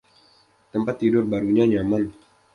Tempat tidur barunya nyaman.